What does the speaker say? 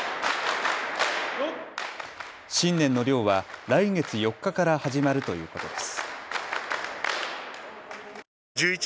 新年の漁は来月４日から始まるということです。